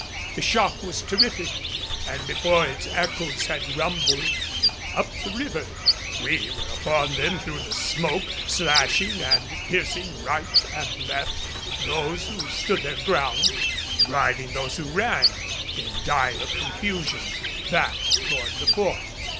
The shock was terrific; and before its echoes had rumbled up the river we were upon them through the smoke, slashing and piercing right and left those who stood their ground, driving those who ran, in dire confusion, back toward the Fort.